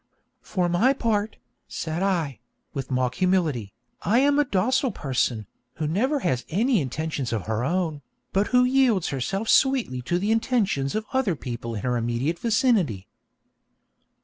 'For my part,' said I, with mock humility, 'I am a docile person, who never has any intentions of her own, but who yields herself sweetly to the intentions of other people in her immediate vicinity.'